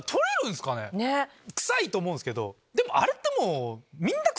臭いと思うんすけどあれって。